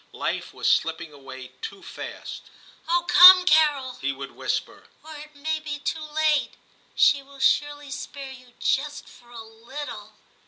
Life was slipping away too fast. ' Oh ! come, Carol/ he would whisper, *or it may be too late ; she will surely spare you just for a little.'